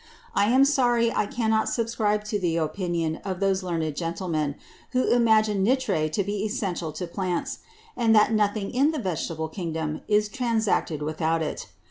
I am sorry I cannot subscribe to the Opinion of those Learned Gentlemen, who imagine Nitre to be essential to Plants; and that nothing in the Vegetable Kingdom is transacted without it.